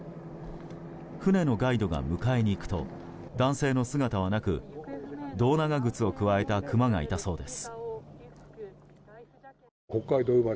船のガイドが迎えに行くと男性の姿はなく胴長靴をくわえたクマがいたそうです。